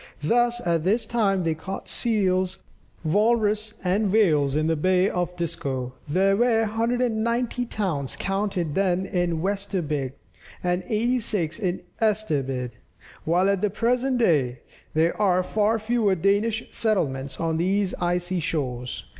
Thus at this time they caught seals, walrus, and whales in the bay of Disco; there were 190 towns counted then in Westerbygd and eighty six in Esterbygd, while at the present day, there are far fewer Danish settlements on these icy shores.